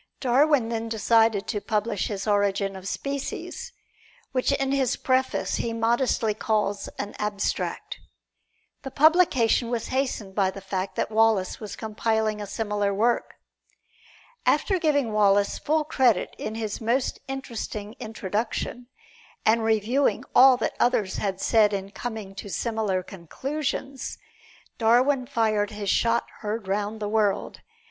Darwin then decided to publish his "Origin of Species," which in his preface he modestly calls an "Abstract." The publication was hastened by the fact that Wallace was compiling a similar work. After giving Wallace full credit in his most interesting "Introduction," and reviewing all that others had said in coming to similar conclusions, Darwin fired his shot heard round the world.